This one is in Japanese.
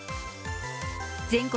全国